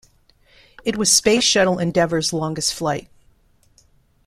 It was Space shuttle Endeavour's longest flight.